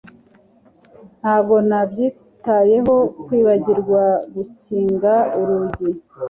Ntabwo nabyitayeho kwibagirwa gukinga urugi